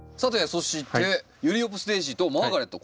そしてユリオプスデージーとマーガレット